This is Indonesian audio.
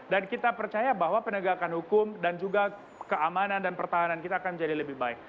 dan kita percaya bahwa penegakan hukum dan juga keamanan dan pertahanan kita akan menjadi lebih baik